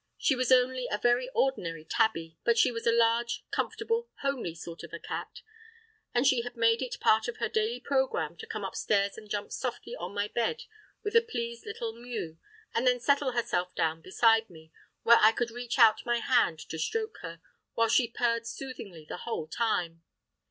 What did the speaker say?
She was only a very ordinary tabby, but she was a large, comfortable, homely sort of a cat; and she had made it part of her daily programme to come upstairs and jump softly on my bed with a pleased little mew, and then settle herself down beside me, where I could reach out my hand to stroke her, while she purred soothingly the whole time.